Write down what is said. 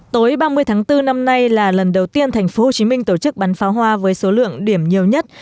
tối ba mươi tháng bốn năm nay là lần đầu tiên tp hcm tổ chức bắn pháo hoa với số lượng điểm nhiều nhất